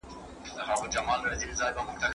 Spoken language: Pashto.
¬ درواغجن، هېرجن وي.